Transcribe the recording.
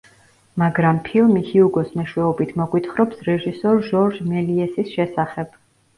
მაგრამ ფილმი ჰიუგოს მეშვეობით მოგვითხრობს რეჟისორ ჟორჟ მელიესის შესახებ.